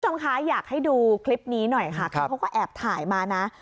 คุณผู้ชมคะอยากให้ดูคลิปนี้หน่อยค่ะคือเขาก็แอบถ่ายมานะ